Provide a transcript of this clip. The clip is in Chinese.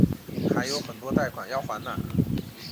还有很多贷款要还哪